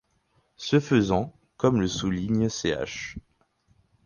Ce faisant, comme le souligne Ch.